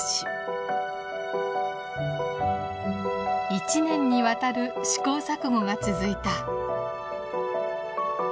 一年にわたる試行錯誤が続いた。